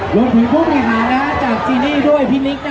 ขอบคุณมากนะคะแล้วก็แถวนี้ยังมีชาติของ